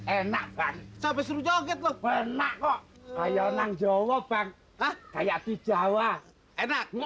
enak banget sampai suruh joget lo benar kok ayo nang jawab bang kayak di jawa enak